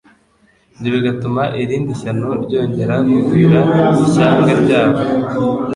ibyo bigatuma irindi shyano ryongera kugwira ishyanga ryabo.